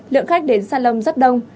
lượng khách đến salon rất đông